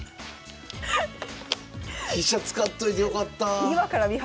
飛車使っといてよかった。